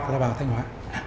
là vào thanh hóa